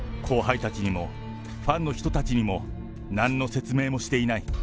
後輩たちにもファンの人たちにも、なんの説明もしていない。